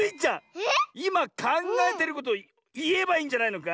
いまかんがえてることをいえばいいんじゃないのか？